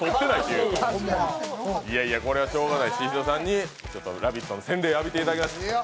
これはしょうがない、宍戸さんに「ラヴィット！」の洗礼を浴びていただきました。